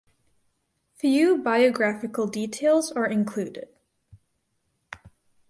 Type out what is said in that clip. Few biographical details are included.